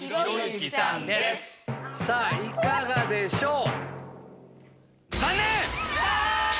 さぁいかがでしょう？